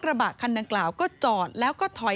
นี่เป็นคลิปวีดีโอจากคุณบอดี้บอยสว่างอร่อย